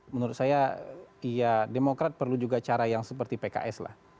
menurut saya ya demokrat perlu juga cara yang seperti pks lah